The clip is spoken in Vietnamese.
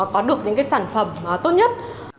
có được những sản phẩm tốt nhất